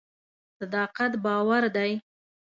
صداقت باور دی.